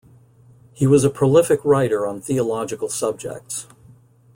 He was a prolific writer on theological subjects.